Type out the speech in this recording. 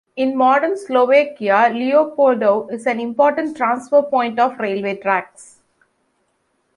In modern Slovakia, Leopoldov is an important transfer point of railway tracks.